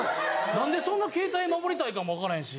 何でそんな携帯守りたいかもわからへんし。